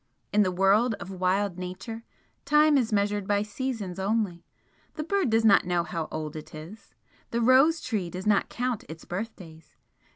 In the world of wild Nature, time is measured by seasons only the bird does not know how old it is the rose tree does not count its birthdays!